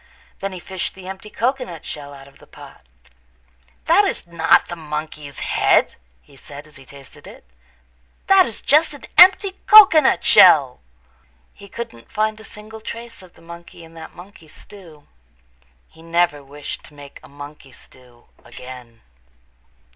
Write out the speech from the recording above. Then he fished the empty cocoanut shell out of the pot. "That is not the monkey's head," he said as he tasted it, "That is just an empty cocoanut shell." He couldn't find a single trace of the monkey in that monkey stew. He never wished to make a monkey stew again.